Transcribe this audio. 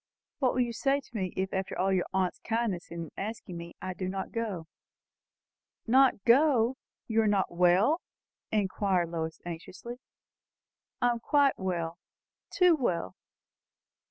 "What will you say to me, if after all your aunt's kindness in asking me, I do not go?" "Not go? You are not well?" inquired Lois anxiously. "I am quite well too well!"